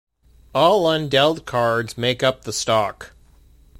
All undealt cards make up the stock.